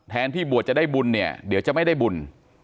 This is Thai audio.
ที่บวชจะได้บุญเนี่ยเดี๋ยวจะไม่ได้บุญ